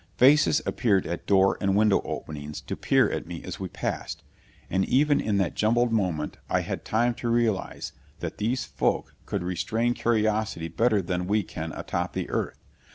Faces appeared at door and window openings to peer at me as we passed. And even in that jumbled moment I had time to realize that these folk could restrain curiosity better than we can atop the earth.